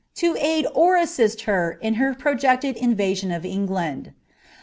lo aid or assist her in her projected invasion of Ctigland.'